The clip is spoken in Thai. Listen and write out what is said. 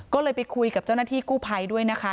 ก็เลยไปคุยกับเจ้าหน้าที่กู้ภัยด้วยนะคะ